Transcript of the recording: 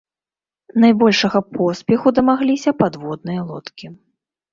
Найбольшага поспеху дамагліся падводныя лодкі.